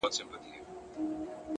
هوډ د شکونو دیوالونه ماتوي!.